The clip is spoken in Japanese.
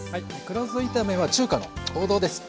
黒酢炒めは中華の王道です。